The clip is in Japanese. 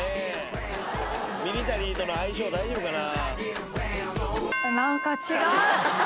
ミリタリーとの相性大丈夫かな。